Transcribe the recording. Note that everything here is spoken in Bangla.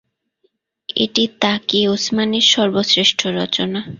এটি তাকি উসমানির সর্বশ্রেষ্ঠ রচনা।